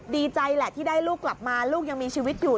ดีใจแหละที่ได้ลูกกลับมาลูกยังมีชีวิตอยู่